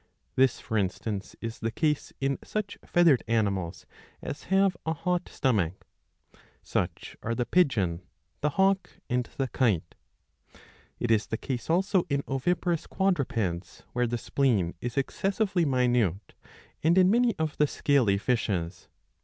This for instance is the case in such feathered animals as have a hot stomach. Such are the pigeon, the hawk, and the kite.^* It is the case also in oviparous quadrupeds, where the spleen is excessively minute, and in many of the scaly fishes.